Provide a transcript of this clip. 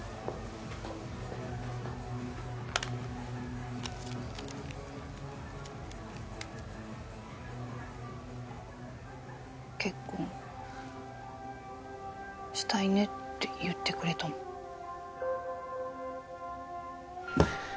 じゃ結婚したいねって言ってくれたもん